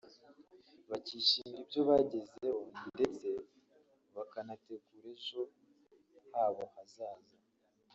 bakishimira ibyo bagezeho ndetse bakanategur ejo habo hazaza